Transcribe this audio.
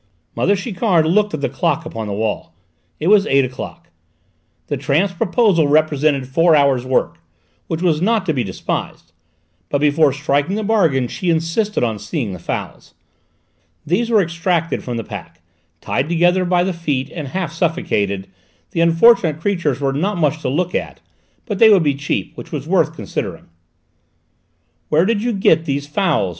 Mother Chiquard looked at the clock upon the wall; it was eight o'clock. The tramp's proposal represented four hours' work, which was not to be despised; but before striking the bargain she insisted on seeing the fowls. These were extracted from the pack; tied together by the feet, and half suffocated, the unfortunate creatures were not much to look at, but they would be cheap, which was worth considering. "Where did you get these fowls?"